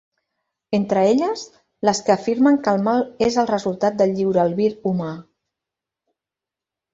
Entre elles, les que afirmen que el mal és el resultat del lliure albir humà.